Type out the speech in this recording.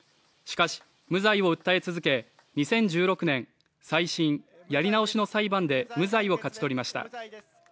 しかし、無罪を訴え続け２０１６年、再審＝やり直しの裁判で無罪を勝ち取りました。